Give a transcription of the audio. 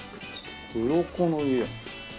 「うろこの家」